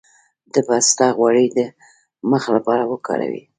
د پسته غوړي د مخ لپاره وکاروئ